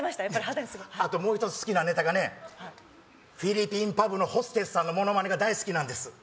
やっぱり肌にすごいあともう１つ好きなネタがねフィリピンパブのホステスさんのモノマネが大好きなんです